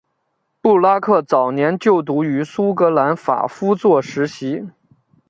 布拉克早年就读于苏格兰法夫作实习。